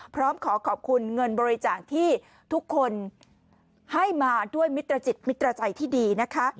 พร้อมขอขอบคุณเงินบริจาคที่ทุกคนให้มาด้วยมิตรจิตมิตรใจที่ดีนะคะ